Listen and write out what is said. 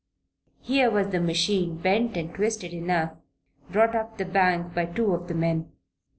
Here was the machine, bent and twisted enough, brought up the bank by two of the men.